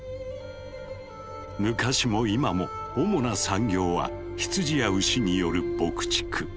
昔も今も主な産業は羊や牛による牧畜。